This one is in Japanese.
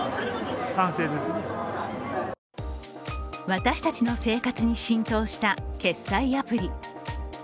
私たちの生活に浸透した決済アプリ。